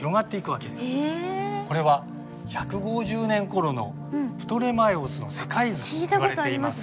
これは１５０年ごろのプトレマイオスの世界図といわれています。